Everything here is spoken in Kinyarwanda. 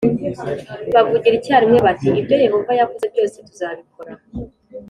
Bavugira icyarimwe bati “ibyo Yehova yavuze byose tuzabikora”